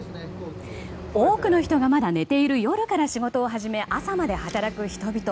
多くの人がまだ寝ている夜から仕事を始め朝まで働く人々。